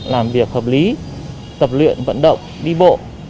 làm việc hợp lý tập luyện vận động đi bộ